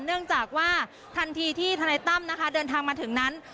เนื่องจากว่าทันทีที่ทนายตั้มนะคะเดินทางมาถึงนั้น